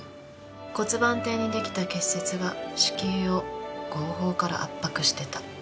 骨盤底にできた結節が子宮を後方から圧迫してた。